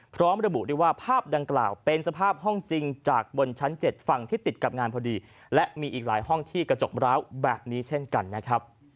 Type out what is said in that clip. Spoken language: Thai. พร้อมระบุได้ว่าภาพดังกล่าวเป็นสภาพห้องจริงจากบนชั้น๗ฝั่งที่ติดกับงานพอดีและมีอีกหลายห้องที่กระจกร้าวแบบนี้เช่นกันนะครับ